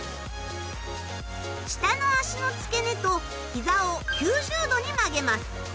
下の足の付け根と膝を９０度に曲げます。